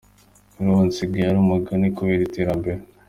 Kuri ubu bisigaye ari nk’umugani kubera iterambere.